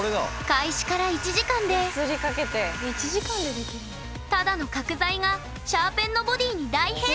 開始から１時間でただの角材がシャーペンのボディに大変身。